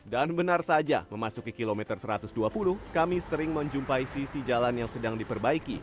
dan benar saja memasuki kilometer satu ratus dua puluh kami sering menjumpai sisi jalan yang sedang diperbaiki